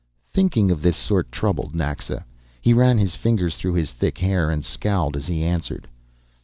Thinking of this sort troubled Naxa. He ran his fingers through his thick hair and scowled as he answered.